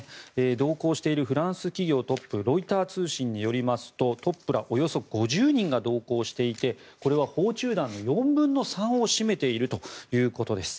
同行しているフランス企業トップロイター通信によりますとトップらおよそ５０人が同行していてこれは訪中団の４分の３を占めているということです。